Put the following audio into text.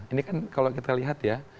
ini kan kalau kita lihat ya